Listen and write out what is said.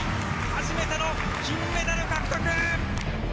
初めての金メダル獲得。